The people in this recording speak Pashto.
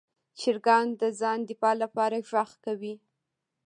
چرګان د ځان دفاع لپاره غږ کوي.